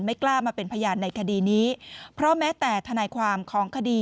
กล้ามาเป็นพยานในคดีนี้เพราะแม้แต่ทนายความของคดี